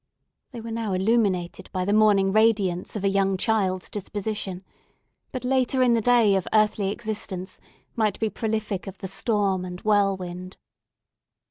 They were now illuminated by the morning radiance of a young child's disposition, but, later in the day of earthly existence, might be prolific of the storm and whirlwind.